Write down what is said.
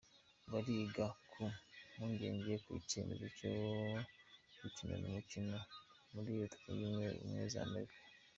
Bariga ku "mpungenge" ku cyemezo cyo gukinira umukino muri Leta Zunze Ubumwe z'Amerika.